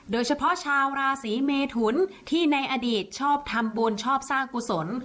โดยเฉพาะชาวราศีเมทุนที่ในอดีตชอบทำบุญชอบสร้างกุศล